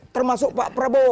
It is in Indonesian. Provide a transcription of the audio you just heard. termasuk pak prabowo